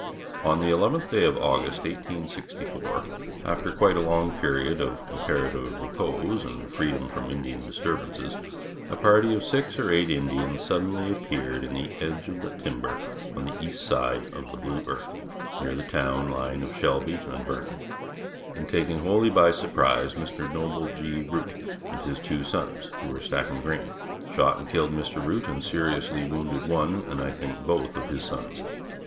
On the 11th day of August, 1864, after quite a long period of comparative repose and freedom from Indian disturbances, a party of six or eight Indians suddenly appeared in the edge of the timber on the east side of the Blue Earth, near the town line of Shelby and Vernon, and taking wholly by surprise Mr. Noble G. Root and his two sons, who were stacking grain, shot and killed Mr. Root and seriously wounded one, and I think, both of his sons.